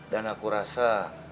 dan aku rasa